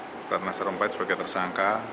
dinyatakan ibu ratna sarumpait sebagai tersangka